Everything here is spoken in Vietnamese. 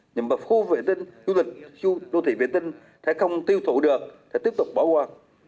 nhưng mà khu vệ tinh khu vệ tinh sẽ không tiêu thụ được sẽ tiếp tục bỏ qua